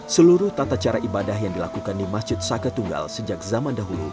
seluruh tata cara ibadah yang dilakukan di masjid saka tunggal sejak zaman dahulu